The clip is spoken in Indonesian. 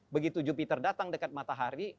begitu jupiter datang dekat matahari